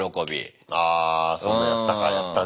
あそんなんやったかやったね。